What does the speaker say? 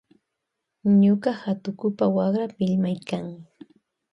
Ñuka hatukupa wakra millaykan.